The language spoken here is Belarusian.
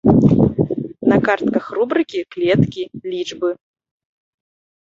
На картках рубрыкі, клеткі, лічбы.